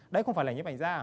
đấy không phải là nhiếp ảnh gia